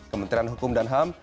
kementerian hukum dan ham